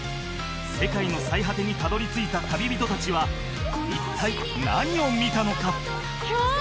世界の最果てにたどり着いた旅人達は一体何を見たのか？